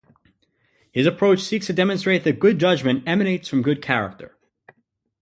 His approach seeks to demonstrate that good judgment emanates from good character.